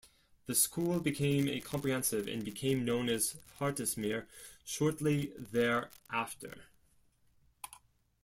The school became a Comprehensive and became known as Hartismere shortly thereafter.